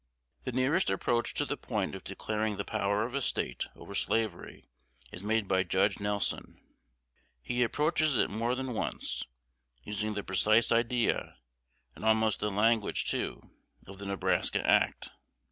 The nearest approach to the point of declaring the power of a State over slavery is made by Judge Nelson. He approaches it more than once, using the precise idea, and almost the language too, of the Nebraska Act.